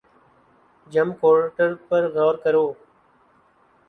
جم کورٹر پر غور کرو